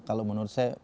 kalau menurut saya